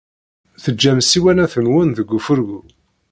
Teǧǧam ssiwanat-nwen deg ufurgu.